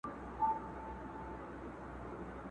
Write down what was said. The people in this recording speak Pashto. پلو باد واخیست له مخه چي وړیا دي ولیدمه؛